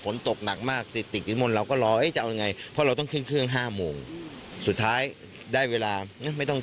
แล้วก็มาร้อง